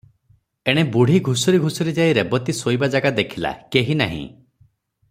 ଏଣେ ବୁଢ଼ୀ ଘୁଷୁରି ଘୁଷୁରି ଯାଇ ରେବତୀ ଶୋଇବା ଜାଗା ଦେଖିଲା, କେହି ନାହିଁ ।